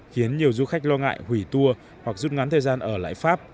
khiến nhiều du khách lo ngại hủy tour hoặc rút ngắn thời gian ở lại pháp